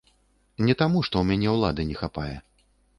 Не таму, што ў мяне ўлады не хапае.